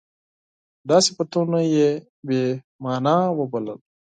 دا صفتونه یې بې معنا وبلل.